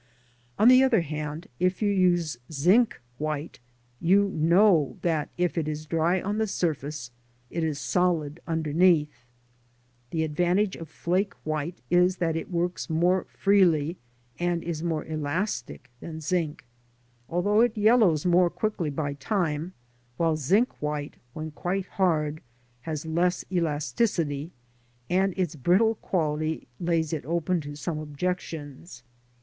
On the other hand, if you use zinc white you know that if it is dry on the surface it is solid underneath. The advantage of flake white is that it works more freely and is more elastic than zinc, although it yellows more quickly by time, while zinc white, when quite hard, has less elasticity, and its brittle quality lays it open to some objections.